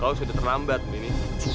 kau sudah terlambat mini